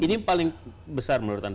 ini paling besar menurut anda